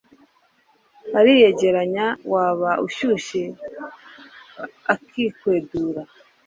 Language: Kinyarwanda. ariyegeranya waba ushyushye akikwedura.